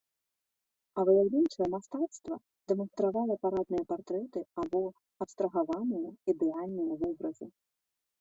А выяўленчае мастацтва дэманстравала парадныя партрэты або абстрагаваныя, ідэальныя вобразы.